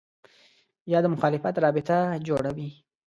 یا د مخالفت رابطه جوړوي